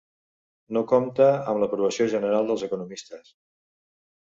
No compta amb l'aprovació general dels economistes.